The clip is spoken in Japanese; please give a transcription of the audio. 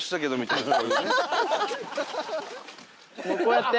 こうやって。